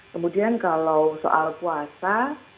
kemudian kalau soal puasa